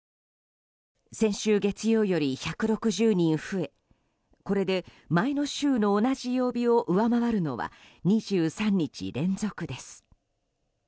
先週月曜より１６０人増えこれで前の週の同じ曜日を上回るのは２３日連続です。